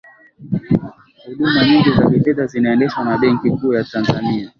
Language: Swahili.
huduma nyingi za kifedha zinaendeshwa na benki kuu ya tanzania